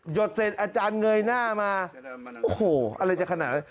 ดเสร็จอาจารย์เงยหน้ามาโอ้โหอะไรจะขนาดนั้น